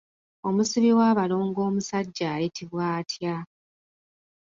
Omusibi w’abalongo omusajja ayitibwa atya?